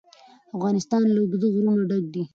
افغانستان له اوږده غرونه ډک دی.